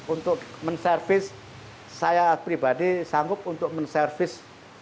untuk menservis saya pribadi sanggup untuk menservis